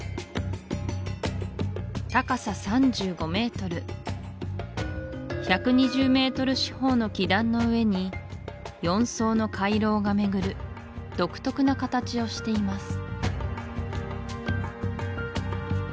高さ３５メートル１２０メートル四方の基壇の上に４層の回廊が巡る独特な形をしています